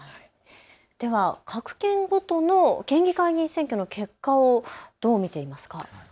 では各県ごとの県議会議員選挙の結果をどう見ていますか。